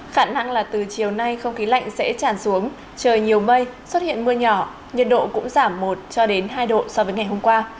khả năng là từ chiều nay không khí lạnh sẽ tràn xuống trời nhiều mây xuất hiện mưa nhỏ nhiệt độ cũng giảm một cho đến hai độ so với ngày hôm qua